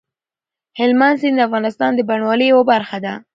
هلمند سیند د افغانستان د بڼوالۍ یوه برخه ده.